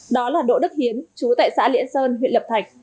đó là đỗ đức hiến chú tại xã liễn sơn huyện lập thạch